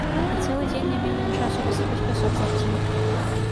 І цэлы дзень не меў ён часу высыпаць пясок з лапцей.